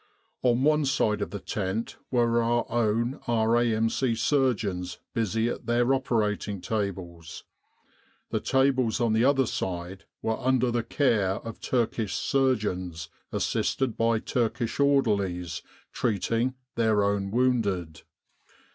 On one side of the tent were our own R.A.M.C. surgeons busy at their operating tables. The tables on the other side were under the care of Turkish surgeons, assisted by Turkish orderlies, treating their own wounded.